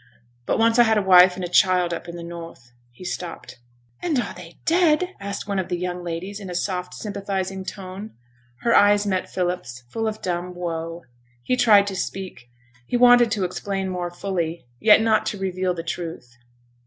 But once I had a wife and a child up in the north,' he stopped. 'And are they dead?' asked one of the young ladies in a soft sympathizing tone. Her eyes met Philip's, full of dumb woe. He tried to speak; he wanted to explain more fully, yet not to reveal the truth.